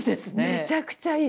めちゃくちゃいい！